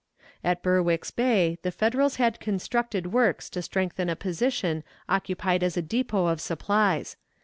At Berwick's Bay the Federals had constructed works to strengthen a position occupied as a depot of supplies.